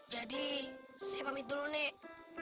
jadi saya pamit dulu nek